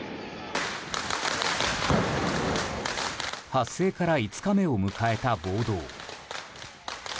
発生から５日目を迎えた暴動。